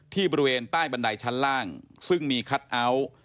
บริเวณใต้บันไดชั้นล่างซึ่งมีคัทเอาท์